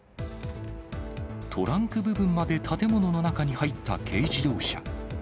トランク部分まで建物の中に入った軽自動車。